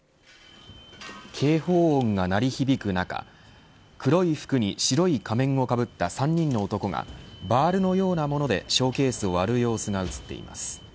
警報音が鳴り響く中黒い服に白い仮面をかぶった３人の男がバールのようなものでショーケースを割る様子が映っています。